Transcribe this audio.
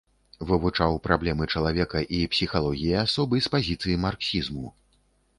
Вывучаў праблемы чалавека і псіхалогіі асобы з пазіцый марксізму.